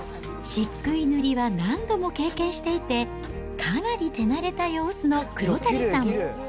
しっくい塗りは何度も経験していて、かなり手慣れた様子の黒谷さん。